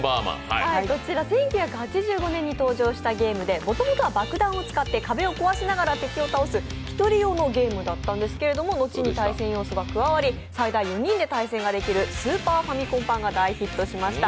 こちら、１９８５年に登場したゲームでもともとは爆弾を使って壁を壊しながら敵を倒す１人用のゲームだったんですが、後に対戦要素が加わり、最大４人で対戦ができるスーパーファミコン版がヒットしました。